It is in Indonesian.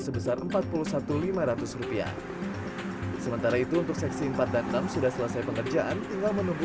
sebesar empat puluh satu lima ratus rupiah sementara itu untuk seksi empat dan enam sudah selesai pengerjaan tinggal menunggu